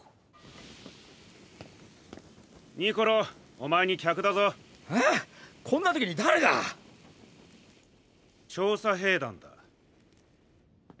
お前に客だぞ。は⁉こんな時に誰が⁉調査兵団だ。